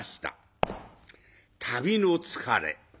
旅の疲れ。